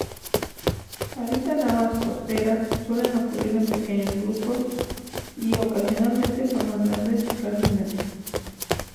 Habitan aguas costeras, suelen ocurrir en pequeños grupos, y, ocasionalmente forman grandes cardúmenes.